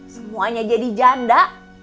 semuanya jadi janda